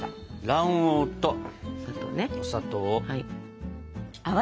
卵黄とお砂糖を。